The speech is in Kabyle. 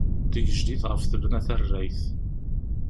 Tigejdit ɣef tebna tarrayt.